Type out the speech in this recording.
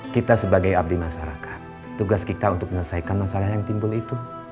kita sebagai abdi masyarakat tugas kita untuk menyelesaikan masalah yang timbul itu